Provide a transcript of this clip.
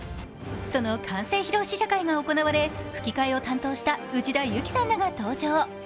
その完成披露試写会が行われ、吹き替えを担当した内田有紀さんらが登場。